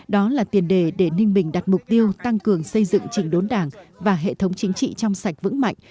đó là tiền đề để ninh bình đặt mục tiêu tăng cường xây dựng trình đốn đảng và hệ thống chính trị trong sạch vững mạnh